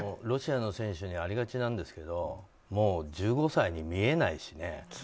ロシアの選手にありがちなんですけどもう１５歳に見えないしね。